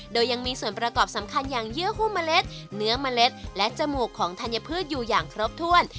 โดยยังมีส่วนประกอบสำคัญอย่างเยื่อหุ้มเมล็ดเนื้อเมล็ดและจมูกของธัญพืชอยู่อย่างครบถ้วน